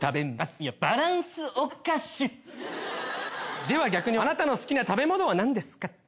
いやバランスおかしい！では逆にあなたの好きな食べ物は何ですか？